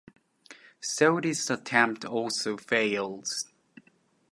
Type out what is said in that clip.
So this attempt also fails.